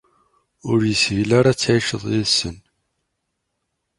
Ur yeshil ara ad tɛiceḍ yid-sen.